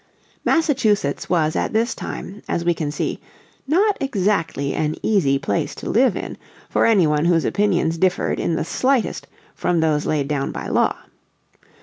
Massachusetts was at this time, as we can see, not exactly an easy place to live in for any one whose opinions differed in the slightest from those laid down by law.